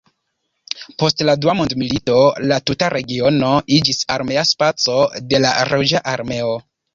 Post la Dua mondmilito la tuta regiono iĝis armea spaco de la Ruĝa Armeo.